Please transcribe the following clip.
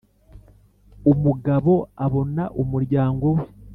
umugabo abona umuryango we